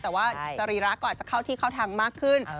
แต่ว่าสรีระก็อาจจะเข้าที่เข้าทางมากขึ้น